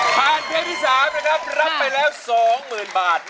ผ่านเพลงที่๓นะครับรับไปแล้ว๒หมื่นบาท